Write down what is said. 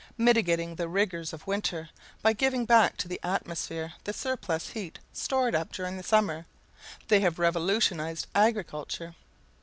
Mitigating the rigors of winter, by giving back to the atmosphere the surplus heat stored up during the summer, they have revolutionized agriculture.